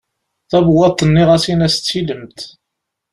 Tabewwaṭ-nni ɣas in-as d tilemt.